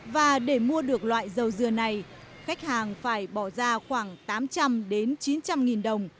và để mua được loại dầu dừa này khách hàng phải bỏ ra khoảng tám trăm linh đến chín trăm linh nghìn đồng